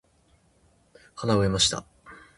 花を植えました。